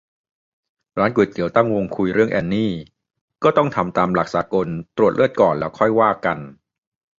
ร้านก๋วยเตี๋ยวตั้งวงคุยเรื่องแอนนี่ "ก็ต้องทำตามหลักสากล ตรวจเลือดก่อน แล้วค่อยว่ากัน"